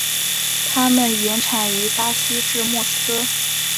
它们原产于巴西至墨西哥。